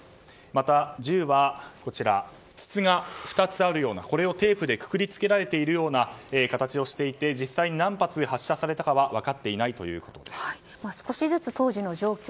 また、銃は筒が２つあるようなこれをテープでくくり付けられているような形をしていて実際に何発発射されたかは少しずつ当時の状況